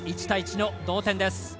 １対１の同点です。